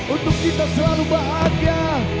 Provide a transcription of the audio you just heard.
untuk kita selalu bahagia